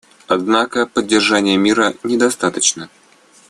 Однако поддержания мира недостаточно.